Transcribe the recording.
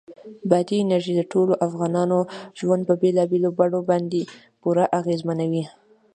بادي انرژي د ټولو افغانانو ژوند په بېلابېلو بڼو باندې پوره اغېزمنوي.